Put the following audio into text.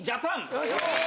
よいしょ！